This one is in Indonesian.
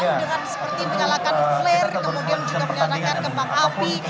dengan seperti menyalakan flare kemudian juga menyalakan kembang api